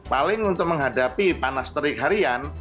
paling untuk menghadapi panas terik harian